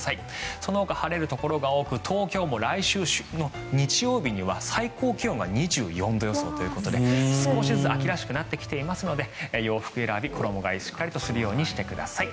そのほか晴れるところが多く東京も来週の日曜日には最高気温が２４度予想ということで少しずつ秋らしくなってきていますので洋服選び、衣替えしっかりとするようにしてください。